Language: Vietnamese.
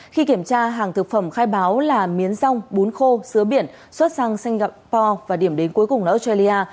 khi kiểm tra hàng thực phẩm khai báo là miến rong bún khô biển xuất sang singapore và điểm đến cuối cùng là australia